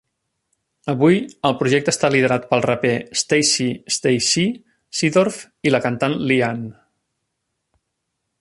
Avui el projecte està liderat pel raper Stacey "Stay-C" Seedorf i la cantant Li Ann.